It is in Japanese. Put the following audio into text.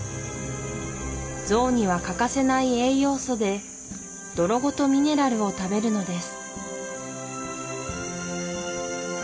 ゾウには欠かせない栄養素で泥ごとミネラルを食べるのです